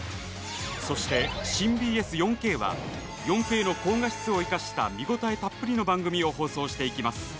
そして新ＢＳ４Ｋは４Ｋの高画質を生かした見応えたっぷりの番組を放送していきます。